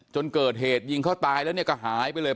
จนเกิดเหตุยิงเขาตายแล้วเนี่ยก็หายไปเลย